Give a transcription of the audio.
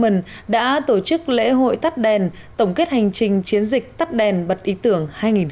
men đã tổ chức lễ hội tắt đèn tổng kết hành trình chiến dịch tắt đèn bật ý tưởng hai nghìn một mươi chín